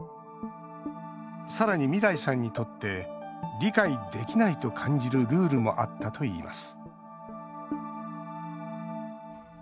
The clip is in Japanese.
さらに、未來さんにとって理解できないと感じるルールもあったといいます